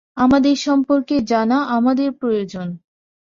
আপনাদের সম্পর্কে জানা আমাদের প্রয়োজন।